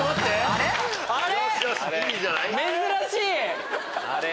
あれ？